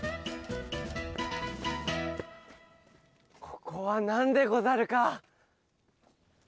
ここはなんでござるか？